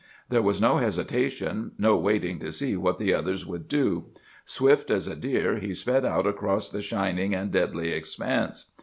There was no hesitation, no waiting to see what the others would do. Swift as a deer he sped out across the shining and deadly expanse.